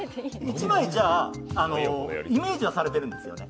１枚、イメージはされているんですよね。